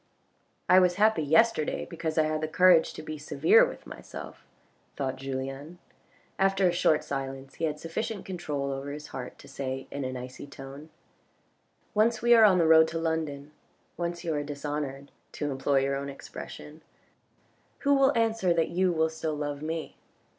" I was happy yesterday, because I had the courage to be severe with myself," thought Julien. After a short silence he had sufficient control over his heart to say in an icy tone, "Once we are on the road to London, once you are dishonoured, to employ your own expression, who will answer that you will still love me